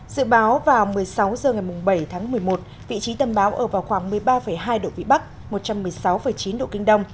dự báo vào một mươi sáu h ngày bảy tháng một mươi một vị trí tâm bão ở vào khoảng một mươi ba hai độ vĩ bắc một trăm một mươi sáu chín độ kinh đông